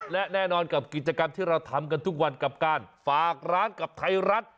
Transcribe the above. และแน่นอนกับกิจกรรมที่เราทำกันทุกวันกับการฝากร้านกับไทยรัฐ